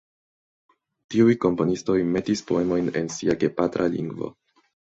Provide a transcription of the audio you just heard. Tiuj komponistoj metis poemojn en sia gepatra lingvo.